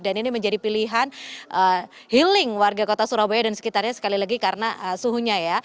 dan ini menjadi pilihan healing warga kota surabaya dan sekitarnya sekali lagi karena suhunya ya